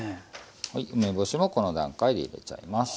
はい梅干しもこの段階で入れちゃいます。